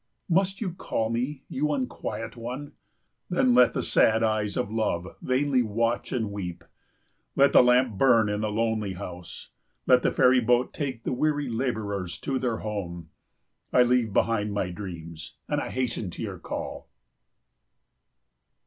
Must you call me, you unquiet one? Then let the sad eyes of love vainly watch and weep. Let the lamp burn in the lonely house. Let the ferry boat take the weary labourers to their home. I leave behind my dreams and I hasten to your call.